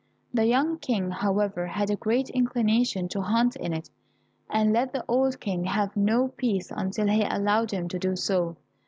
The young King, however, had a great inclination to hunt in it, and let the old King have no peace until he allowed him to do so.